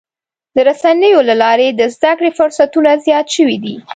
د رسنیو له لارې د زدهکړې فرصتونه زیات شوي دي.